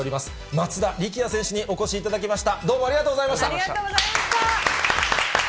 松田力也選手にお越しいただきました。